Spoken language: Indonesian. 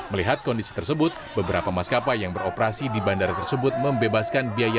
melihat kondisi tersebut beberapa maskapai yang beroperasi di bandara tersebut membebaskan biaya